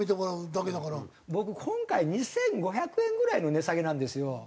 今回２５００円ぐらいの値下げなんですよ。